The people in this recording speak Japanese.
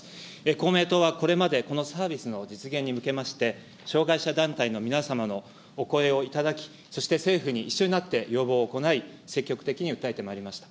公明党はこれまでこのサービスの実現に向けまして、障害者団体の皆様のお声を頂き、そして政府に一緒になって要望を行い、積極的に訴えてまいりました。